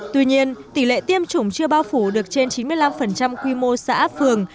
tuy nhiên tỷ lệ tiêm chủng chưa bao phủ được trên chín mươi năm quy mô xã phường